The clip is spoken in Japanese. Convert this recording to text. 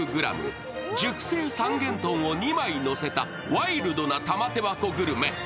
ご飯５００ｇ、熟成三元豚を２枚のせたワイルドな玉手箱グルメ。